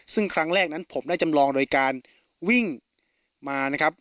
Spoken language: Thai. ซึ่งครั้งแรกนั้นผมได้จำลองโดยการวิ่งมานะครับ